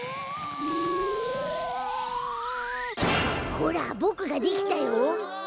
ほらボクができたよ！